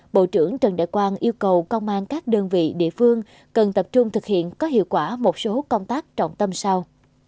bộ trưởng trần đại quang yêu cầu công an các đơn vị địa phương cần tập trung thực hiện có hiệu quả một số công tác trọng tâm sau